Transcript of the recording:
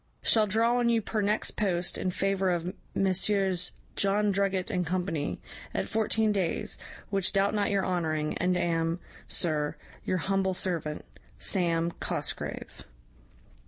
Shall draw on you per next post, in favour of Messieurs John Drugget and company, at fourteen days, which doubt not your honouring, and am, Sir, your humble servant, 'SAM. COSGRAVE.'